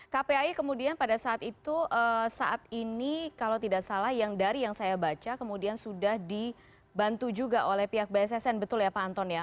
kpai kemudian pada saat itu saat ini kalau tidak salah yang dari yang saya baca kemudian sudah dibantu juga oleh pihak bssn betul ya pak anton ya